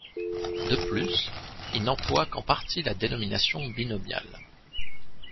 De plus, il n'emploie qu'en partie la dénomination binomiale.